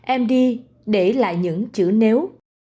em đi để lại những chữ nếu